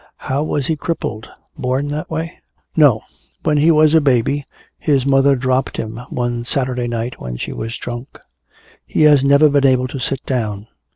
"How was he crippled? Born that way?" "No. When he was a baby his mother dropped him one Saturday night when she was drunk. He has never been able to sit down.